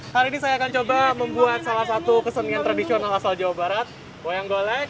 hari ini saya akan coba membuat salah satu kesenian tradisional asal jawa barat wayang golek